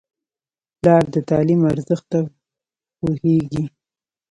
پلار د تعلیم ارزښت ته پوهېږي.